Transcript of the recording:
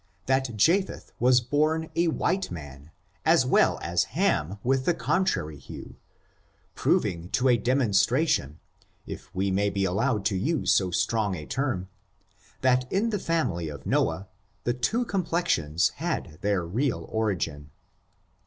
that Japheth was bcm a white man, as well as Ham with a contrary hue, proving to a demonstra tion, if we may be allowed to use so strong a term, that in the family of Noah the two complexions had their real origin.